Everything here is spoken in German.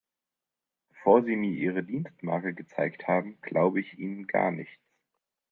Bevor Sie mir Ihre Dienstmarke gezeigt haben, glaube ich Ihnen gar nichts.